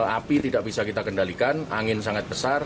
api tidak bisa kita kendalikan angin sangat besar